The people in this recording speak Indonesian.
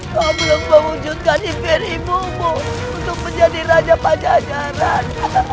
kau belum mewujudkan impian ibumu untuk menjadi raja pajajaran